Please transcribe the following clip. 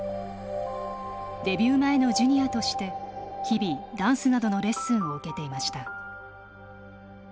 デビュー前のジュニアとして日々、ダンスなどのレッスンを受けていました。